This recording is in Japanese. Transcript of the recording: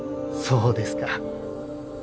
そうですか。